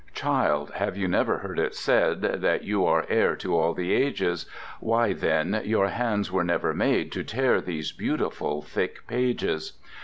Child, have you never heard it said That you are heir to all the ages? Why, then, your hands were never made To tear these beautiful thick pages!